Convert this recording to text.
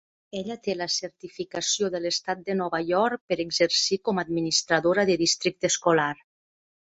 Ella té la certificació de l'estat de Nova York per exercir com a administradora de districte escolar.